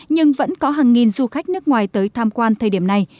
nhưng vẫn có hàng nghìn du khách nước ngoài tới tham quan thời điểm này